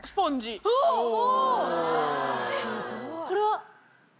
これは。